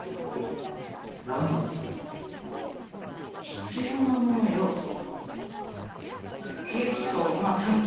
必要なもの、要素。